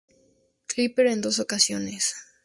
Clippers en dos ocasiones.